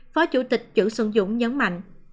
phó chủ tịch chữ xuân dũng nhấn mạnh